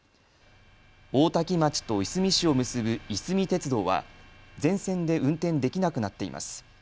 大多喜町といすみ市を結ぶいすみ鉄道は全線で運転できなくなっています。